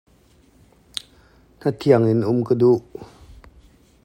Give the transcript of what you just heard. Hnathiang in um ka duh.